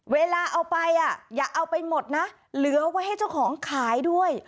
เวลาเอาไปอย่าเอาไปหมดนะเหลือไว้ให้เจ้าของขายด้วย